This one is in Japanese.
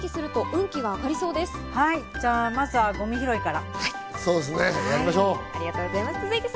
じゃあ、まずはゴミ拾いから。